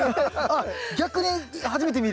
あっ逆に初めて見る？